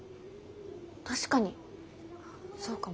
確かにそうかも。